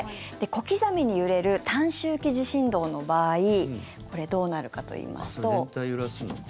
小刻みに揺れる短周期地震動の場合これどうなるかといいますと。